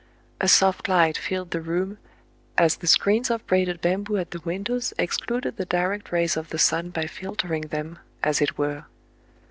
A soft light filled the room, as the screens of braided bamboo at the windows excluded the direct rays of the sun by filtering them, as it were.